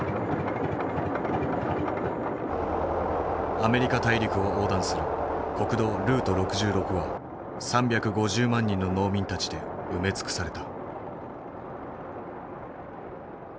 アメリカ大陸を横断する国道ルート６６は３５０万人の農民たちで埋め尽くされた。